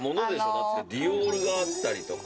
ディオールがあったりとか。